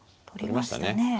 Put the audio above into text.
取りましたね。